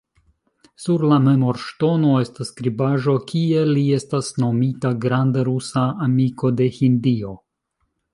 Sur la memorŝtono estas skribaĵo, kie li estas nomita “granda rusa amiko de Hindio.